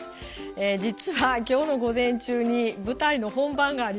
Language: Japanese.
実は今日の午前中に舞台の本番がありまして。